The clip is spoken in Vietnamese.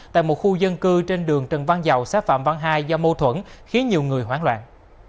tại một khu dân cư trên đường trần văn dầu xã phạm văn hai do mâu thuẫn khiến nhiều người hoảng loạn